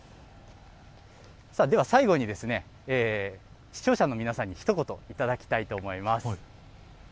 では、最後に視聴者の皆さんにひと言いただきたいと思います。